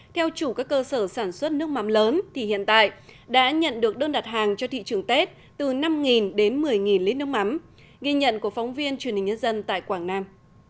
theo chủ các cơ sở sản xuất nước mắm lớn thì hiện tại đã nhận được đơn đặt hàng cho thị trường tết từ năm đến một mươi lít nước mắm ghi nhận của phóng viên truyền hình nhân dân tại quảng nam